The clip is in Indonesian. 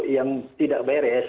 yang tidak beres